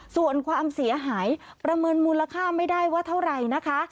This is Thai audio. ส่วนความเสียหายประเมินมูลค่าไม่ได้ว่าเท่าไหร่นะคะ